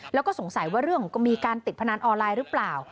แล้วก็สงสัยว่าเรื่องของการติดพนันออนไลน์หรือเปล่า